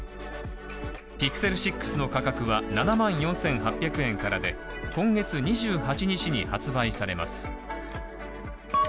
Ｐｉｘｅｌ６の価格は７万４８００円からで、今月２８日に発売されます。